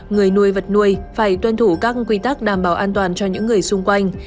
người nuôi vật nuôi phải tuân thủ các quy tắc đảm bảo an toàn cho những người xung quanh